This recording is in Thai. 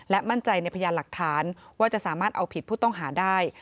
มั่นใจในพยานหลักฐานว่าจะสามารถเอาผิดผู้ต้องหาได้